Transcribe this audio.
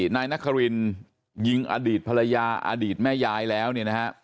นายนครินยิงอดีตภรรยาอดีตแม่ยายแล้วเนี่ยนะฮะ